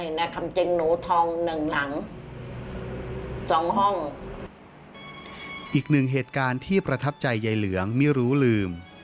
อีกหนึ่งเหตุการณ์ที่ประทับใจใยเหลืองมิรู้ลืม